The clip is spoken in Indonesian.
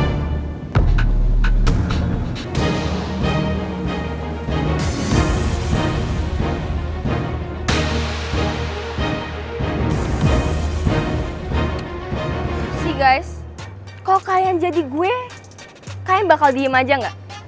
lihat dong guys kalo kalian jadi gue kalian bakal diem aja gak